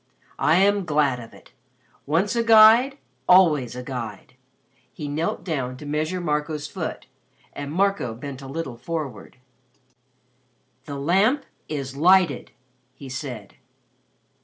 I am glad of it. Once a guide, always a guide." He knelt down to measure Marco's foot, and Marco bent a little forward. "The Lamp is lighted," he said.